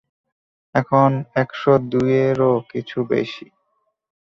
এখন একশ দুইয়েরও কিছু বেশি।